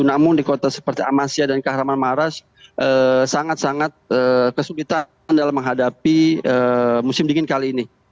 namun di kota seperti amasya dan kahraman maras sangat sangat kesulitan dalam menghadapi musim dingin kali ini